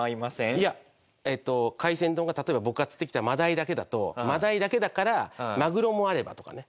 いや海鮮丼が例えば僕が釣ってきたマダイだけだとマダイだけだからマグロもあればとかね。